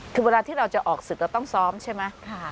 คือเวลาที่เราจะออกศึกเราต้องซ้อมใช่ไหม